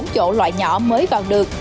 bốn chỗ loại nhỏ mới vào được